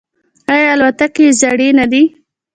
آیا الوتکې یې زړې نه دي؟